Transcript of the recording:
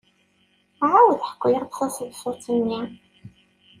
Ɛawed ḥku-aɣ-d taseḍsut-nni.